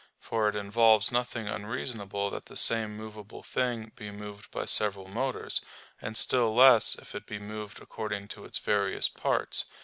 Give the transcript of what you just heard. For it involves nothing unreasonable that the same movable thing be moved by several motors; and still less if it be moved according to its various parts.